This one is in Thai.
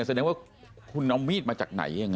เสัอนึงว่าคุณเอามีตมาจากไหน